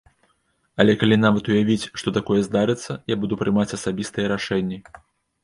Але калі нават уявіць, што такое здарыцца, я буду прымаць асабістыя рашэнні.